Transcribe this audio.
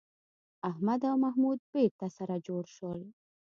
احمد او محمود بېرته سره جوړ شول.